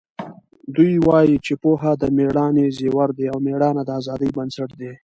دی وایي چې پوهه د مېړانې زیور دی او مېړانه د ازادۍ بنسټ دی.